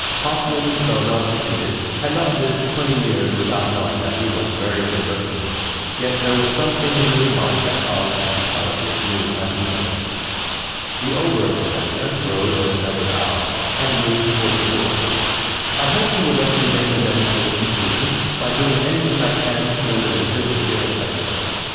Hoffman, though not conceited, had not lived twenty years without knowing that he was very good looking, yet there was something in the remark that caused him to color with a new uneasiness. The Ober Inspector rose with another bow, and moved toward the door. "I hope you will let me make amends for this intrusion by doing anything I can to render your visit here a pleasant one.